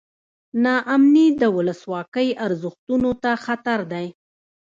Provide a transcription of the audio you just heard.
نا امني د ولسواکۍ ارزښتونو ته خطر دی.